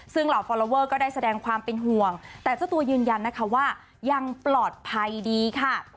ซึ่งเหล่าฟอลลอเวอร์ก็ได้แสดงความเป็นห่วงแต่เจ้าตัวยืนยันนะคะว่ายังปลอดภัยดีค่ะ